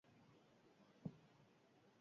Asia Txikiko mendebaldeko eskualde bat zen.